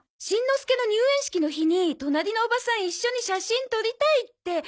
しんのすけの入園式の日に隣のおばさん一緒に写真撮りたいって。